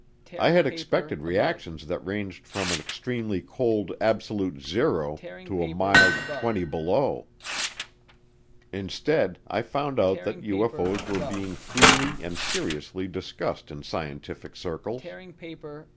I had expected reactions that ranged from an extremely cold absolute zero to a mild twenty below. Instead I found out that UFO's were being freely and seriously discussed in scientific circles.